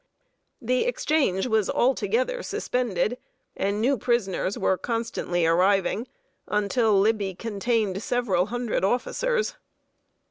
] The exchange was altogether suspended, and new prisoners were constantly arriving, until Libby contained several hundred officers.